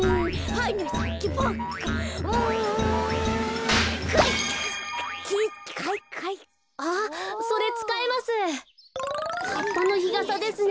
はっぱのひがさですね。